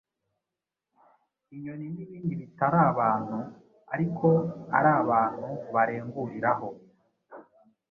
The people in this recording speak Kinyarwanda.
inyoni n’ibindi bitari abantu, ariko ari abantu barenguriraho.